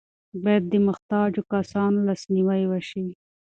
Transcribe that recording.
باید د محتاجو کسانو لاسنیوی وشي.